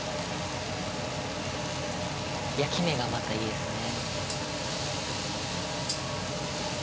焼き目がまたいいですね